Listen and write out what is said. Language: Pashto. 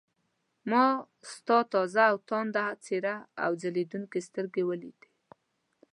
ما ستا تازه او تانده څېره او ځلېدونکې سترګې ولیدې.